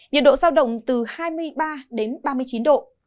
nhiệt độ giao động từ hai mươi ba đến ba mươi chín độ